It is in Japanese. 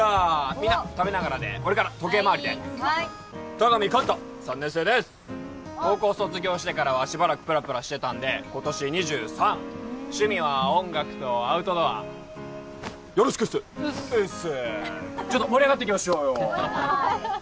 みんな食べながらで俺から時計回りで田上寛太３年生です高校卒業してからはしばらくプラプラしてたんで今年２３趣味は音楽とアウトドアよろしくっすうっすういっすーちょっと盛り上がっていきましょうよ